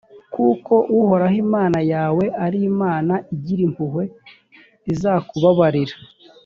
kuko uhoraho imana yawe ari imana igira impuhwe izakubabarira